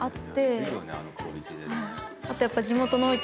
あとやっぱ。